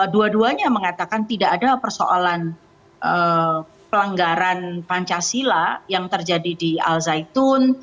dua duanya mengatakan tidak ada persoalan pelanggaran pancasila yang terjadi di al zaitun